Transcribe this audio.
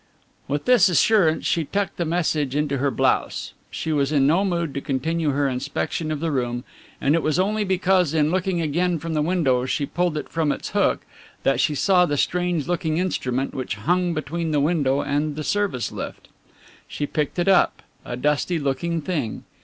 With this assurance she tucked the message into her blouse. She was in no mood to continue her inspection of the room, and it was only because in looking again from the window she pulled it from its hook that she saw the strange looking instrument which hung between the window and the service lift. She picked it up, a dusty looking thing.